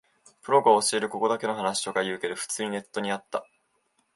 プロが教えるここだけの話とか言うけど、普通にネットにあった